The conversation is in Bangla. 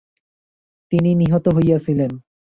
তিনি ট্রাবজনে এনভারের সমর্থক একটি দলের দ্বারা নিহত হয়েছিলেন।